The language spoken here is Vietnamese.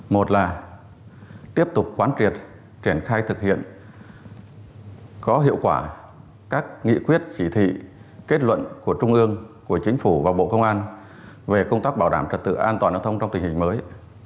một là tiếp tục quán triệt triển khai thực hiện có hiệu quả các nghị quyết chỉ thị kết luận của trung ương của chính phủ và bộ công an về công tác bảo đảm trật tự an toàn giao thông trong tình hình mới